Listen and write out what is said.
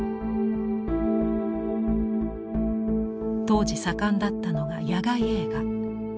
当時盛んだったのが野外映画。